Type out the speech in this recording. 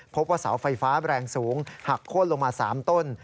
พบว่าเสาไฟฟ้าแรงสูงหักโค้นลงมา๓ต้น